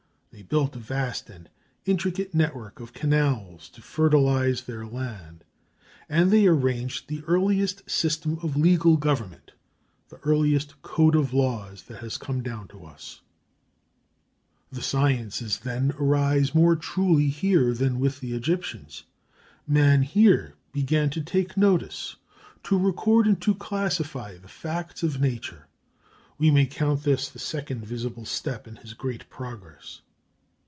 They built a vast and intricate network of canals to fertilize their land; and they arranged the earliest system of legal government, the earliest code of laws, that has come down to us. [Footnote 4: Compilation of the Earliest Code, page 14.] The sciences, then, arise more truly here than with the Egyptians. Man here began to take notice, to record and to classify the facts of nature. We may count this the second visible step in his great progress.